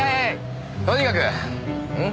とにかくん？